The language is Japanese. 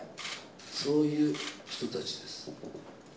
そういう人たちです。